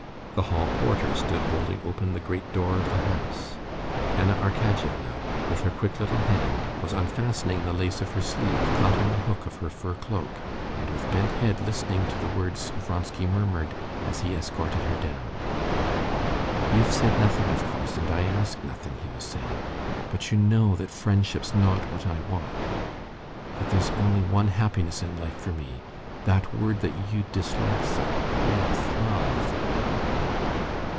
The hall porter stood holding open the great door of the house. Anna Arkadyevna, with her quick little hand, was unfastening the lace of her sleeve, caught in the hook of her fur cloak, and with bent head listening to the words Vronsky murmured as he escorted her down. "You've said nothing, of course, and I ask nothing," he was saying; "but you know that friendship's not what I want: that there's only one happiness in life for me, that word that you dislike so ... yes, love!..."